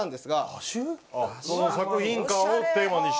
その作品観をテーマにした？